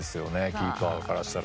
キーパーからしたら。